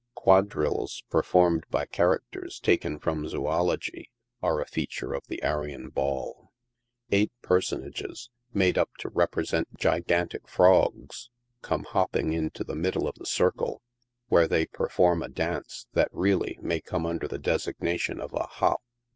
Quadrilles performed by characters taken from zoology, are a fea ture of the Arion Ball. Eight personages, made up to represent gi gantic frogs, come hopping into the middle of the circle, where they perform a dance that really may come under the designation of a "hop."